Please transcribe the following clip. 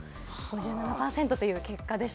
５７％という結果でした。